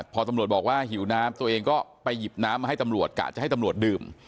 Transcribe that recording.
พอตำรวจบอกว่าหิวน้ำตัวเองก็ไปหยิบน้ำมาให้ตำรวจกะจะให้ตำรวจดื่ม